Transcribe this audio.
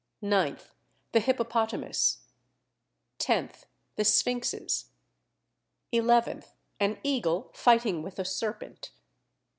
9th. The Hippopotamus. 10th. The Sphinxes. 11th. An Eagle fighting with a Serpent.